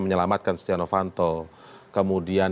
menyelamatkan stenovanto kemudian